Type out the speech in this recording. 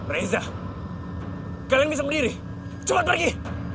reza kalian bisa berdiri coba pergi